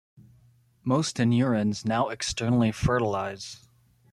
Most anurans now externally fertilize.